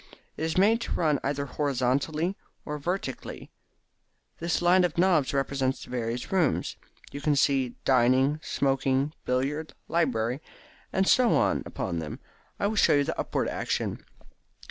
It is made to run either horizontally or vertically. This line of knobs represents the various rooms. You can see 'Dining,' 'Smoking,' 'Billiard,' 'Library' and so on, upon them. I will show you the upward action.